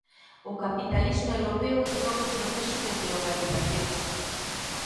O capitalismo europeo entrou no proceso de globalización.